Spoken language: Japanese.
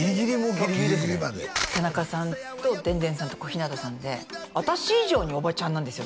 ギリギリまで田中さんとでんでんさんと小日向さんで私以上におばちゃんなんですよ